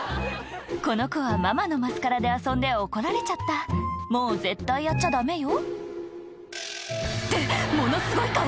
この子はママのマスカラで遊んで怒られちゃったもう絶対やっちゃダメよってものすごい顔！